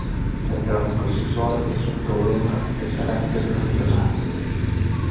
El tráfico sexual es un problema de carácter nacional.